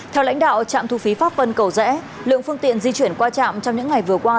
theo lãnh đạo trạm thu phí pháp vân cầu rẽ lượng phương tiện di chuyển qua trạm trong những ngày vừa qua